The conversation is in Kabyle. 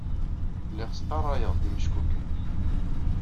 Lliɣ sqarrayeɣ-d imeckuken.